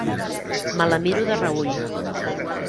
Me la miro de reüll.